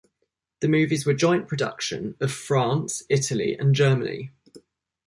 The movies were joint production of France, Italy and Germany.